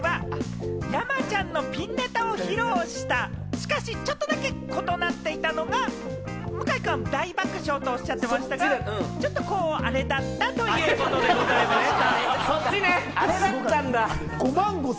しかし、ちょっとだけ異なっていたのが、向井くんは大爆笑とおっしゃってましたが、ちょっとアレだったということでございました。